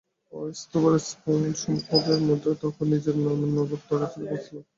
অস্থাবর সম্পদের মধ্যে তখন নিজের নামে নগদ টাকা ছিল পাঁচ লাখ।